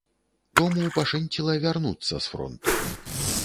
Тому пашэнціла вярнуцца з фронту.